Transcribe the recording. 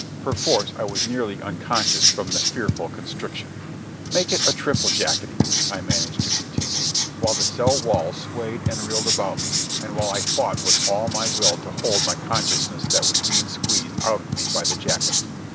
Perforce I was nearly unconscious from the fearful constriction. "Make it a triple jacketing," I managed to continue, while the cell walls swayed and reeled about me and while I fought with all my will to hold to my consciousness that was being squeezed out of me by the jackets.